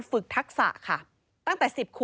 พบหน้าลูกแบบเป็นร่างไร้วิญญาณ